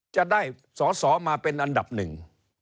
จะได้สอสอมาเป็นอันดับหนึ่ง